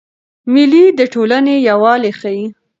مېلې د ټولني یووالی ښيي.